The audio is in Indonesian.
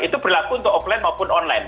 itu berlaku untuk offline maupun online